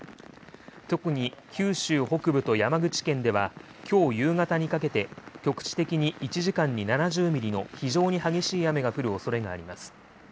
特に九州北部と山口県ではきょう夕方にかけて、局地的に１時間に７０ミリの非常に激しい雨が降るおそれがあります。